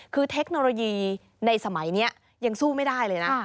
คือเทคโนโลยีในสมัยนี้ยังสู้ไม่ได้เลยนะ